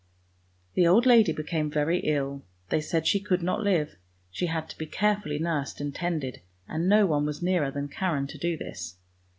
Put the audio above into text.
The old lady became very ill; they said she could not live; she had to be carefully nursed and tended, and no one was nearer than Karen to do this.